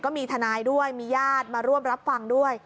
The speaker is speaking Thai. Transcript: ก็มีทนายด้วยมีญาติมาร่วมรับฟังด้วย